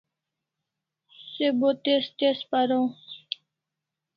Se bo tez tez paraw